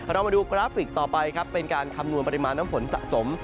เรามาดูกราฟิกต่อไปครับเป็นการคำนวณปริมาณน้ำฝนสะสม